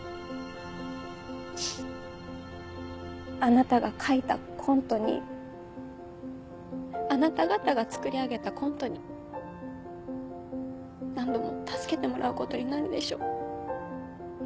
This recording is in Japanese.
あなたが書いたコントにあなた方が作り上げたコントに何度も助けてもらうことになるでしょう。